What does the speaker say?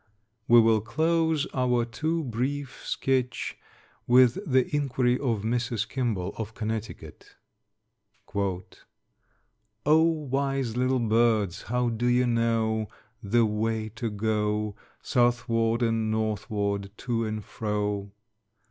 We will close our too brief sketch with the inquiry of Mrs. Kimball, of Connecticut: "O, wise little birds, how do ye know The way to go, Southward and northward, to and fro?